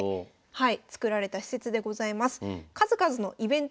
はい。